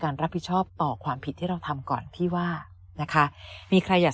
รับผิดชอบต่อความผิดที่เราทำก่อนพี่ว่านะคะมีใครอยาก